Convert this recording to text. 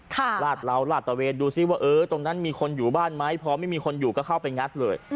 ลาดเราลาดตะเวนดูซิว่าเออตรงนั้นมีคนอยู่บ้านไหมพอไม่มีคนอยู่ก็เข้าไปงัดเลย